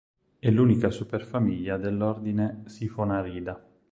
È l'unica superfamiglia dell'ordine Siphonariida.